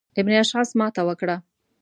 ابن اشعث ماته وکړه.